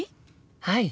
はい！